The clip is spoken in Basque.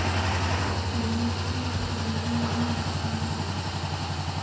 Teoria asko dago organismo hauen nortasunari buruz.